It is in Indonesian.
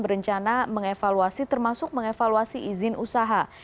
berencana mengevaluasi termasuk mengevaluasi izin usaha